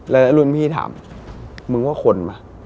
แล้วรุ่นพี่ถามมึงว่าคนมา